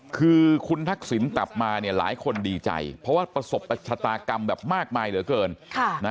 คือคุณทักษิณกลับมาเนี่ยหลายคนดีใจเพราะว่าประสบชะตากรรมแบบมากมายเหลือเกิน